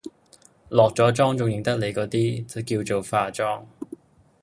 落咗妝仲認得你嗰啲，叫做化妝